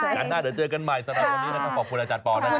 อยากมาเจอกันใหม่สำหรับวันนี้นะครับขอบคุณอาจารย์ปอลนะครับ